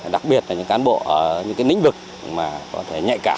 đặc biệt là những cán bộ ở những nĩnh vực có thể nhạy cạo